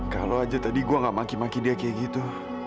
kalau aja tadi gue gak mangki maki dia kayak gitu